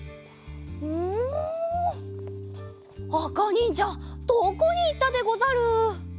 うんあかにんじゃどこにいったでござる。